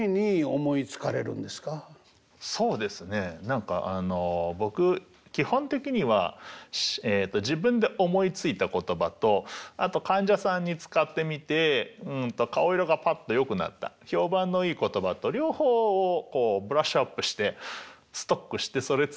そうですね何か僕基本的には自分で思いついた言葉とあと患者さんに使ってみて顔色がパッとよくなった評判のいい言葉と両方をブラッシュアップしてストックしてそれ使ってるんですよね。